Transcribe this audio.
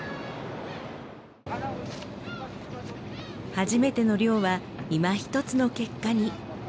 初めての漁はいま一つの結果に。